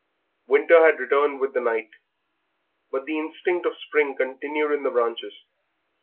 Winter had returned with the night, but the instinct of spring continued in the branches.